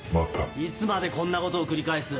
いつまでこんなことを繰り返す？